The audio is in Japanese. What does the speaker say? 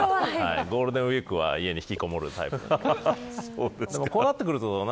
ゴールデンウイークは家に引きこもるタイプです。